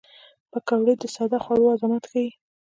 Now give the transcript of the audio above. پکورې د ساده خوړو عظمت ښيي